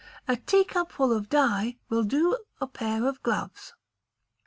A teacupful of dye will do a pair of gloves.